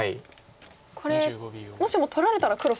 これもしも取られたら黒損ですよね。